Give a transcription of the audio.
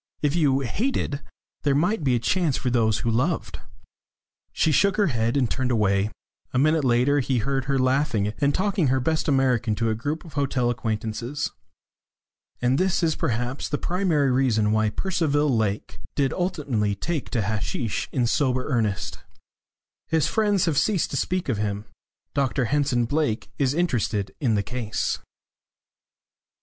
If you hated, there might be a chance for those who loved." She shook her head and turned away. A minute later he heard her laughing, and talking her best American to a group of hotel acquaintances. And this is perhaps the primary reason why Percival Lake did ultimately take to hasheesh in sober earnest. His friends have ceased to speak of him. Dr Henson Blake is interested in the case.